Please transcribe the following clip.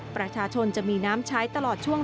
ประชาชนจะมีน้ำใช้ตลอดช่วง